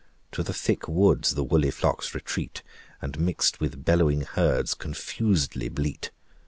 To the thick woods the woolly flocks retreat, And mixed with bellowing herds confusedly bleat.